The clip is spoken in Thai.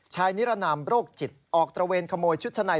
นิรนามโรคจิตออกตระเวนขโมยชุดชั้นใน